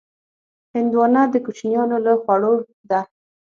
هندوانه د کوچیانو له خوړو ده.